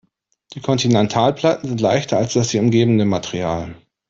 Die Kontinentalplatten sind leichter als das sie umgebende Material.